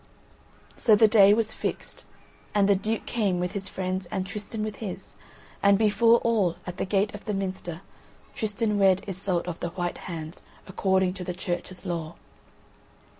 So the day was fixed, and the Duke came with his friends and Tristan with his, and before all, at the gate of the minster, Tristan wed Iseult of the White Hands, according to the Church's law.